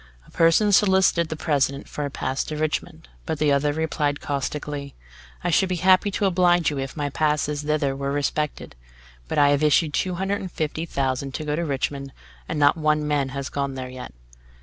A person solicited the President for a pass to Richmond. But the other replied caustically: "I should be happy to oblige you if my passes thither were respected; but I have issued two hundred and fifty thousand to go to Richmond, and not one man has got there yet!"